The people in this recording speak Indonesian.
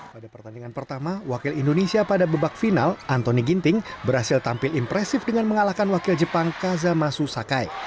pada pertandingan pertama wakil indonesia pada bebak final antoni ginting berhasil tampil impresif dengan mengalahkan wakil jepang kazamasu sakai